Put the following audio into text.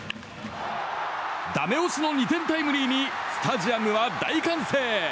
ダメ押しの２点タイムリーにスタジアムは大歓声。